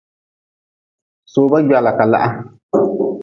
Soba gwala ka laha.